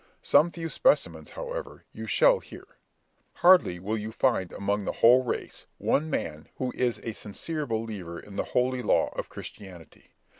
Some few specimens, however, you shall hear. Hardly will you find among the whole race one man who is a sincere believer in the holy law of Christianity.